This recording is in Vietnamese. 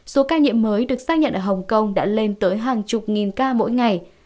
số ca nhiễm mới được xác nhận ở hồng kông đã lên tới hàng chục nghìn ca mỗi ngày